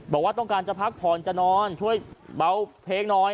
บอกว่าต้องการจะพักผ่อนจะนอนช่วยเบาเพลงหน่อย